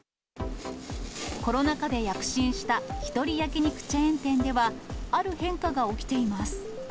コロナ禍で躍進した１人焼き肉チェーン店では、ある変化が起きています。